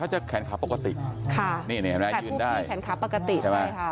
เฮาร์ไทยลงได้แชนขาปกติใช่ไหมค่ะ